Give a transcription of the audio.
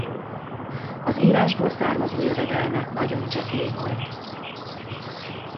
Az írásból származó jövedelme nagyon csekély volt.